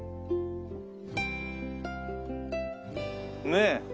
ねえ。